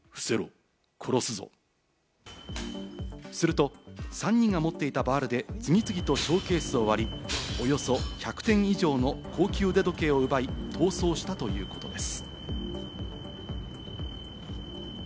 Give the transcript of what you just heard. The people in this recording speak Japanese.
すると３人が持っていたバールで次々とショーケースを割り、およそ１００点以上の高級腕時計を奪い逃走したということです。